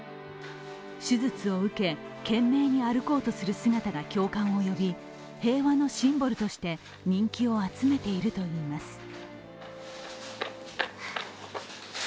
手術を受け、懸命に歩こうとする姿が共感を呼び平和のシンボルとして人気を集めているといいます。